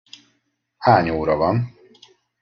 Hány óra van?